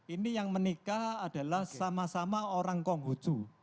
ini yang menikah adalah sama sama orang konghucu